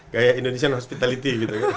gaya indonesian hospitality